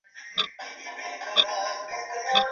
ليکوال بدلون اړين بولي.